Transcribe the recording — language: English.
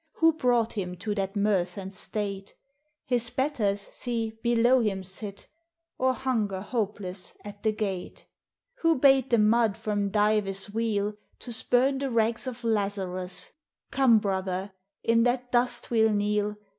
— Who brought him to that mirth and state? His betters, see, below him sit, Or hunger hopeless at the gate. Who bade the mud from Dives' wheel To spurn the rags of Lazarus? Come, brother, in that dust we 11 kneel.